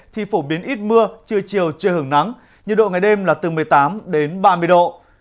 thì phổ biến ít mưa trưa chiều chưa hưởng nắng nhiệt độ ngày đêm là từ một mươi tám đến ba mươi độ